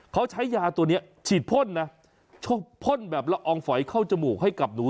เขาใช้ยาตัวนี้ฉีดพ่นนะพ่นแบบละอองฝอยเข้าจมูกให้กับหนู